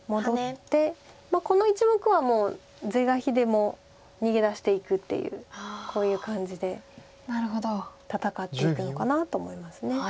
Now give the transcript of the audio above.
この１目はもう是が非でも逃げ出していくっていうこういう感じで戦っていくのかなと思います。